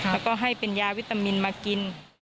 แล้วก็ให้เป็นยาวิตามินมากิน